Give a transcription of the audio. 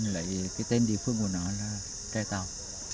lấy cái tên địa phương của nó là tre tào